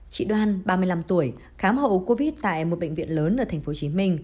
chị đoan ba mươi năm tuổi khám hậu covid tại một bệnh viện lớn ở tp hcm